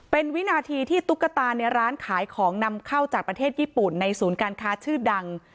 เป็นวินาทีที่ตุ๊กตาในร้านขายของนำเข้าจากประเทศญี่ปุ่นในศูนย์การค้าชื่อดัง